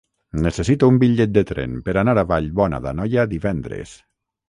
Necessito un bitllet de tren per anar a Vallbona d'Anoia divendres.